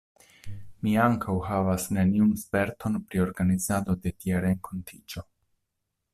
Mi ankaŭ havas neniun sperton pri organizado de tia renkontiĝo.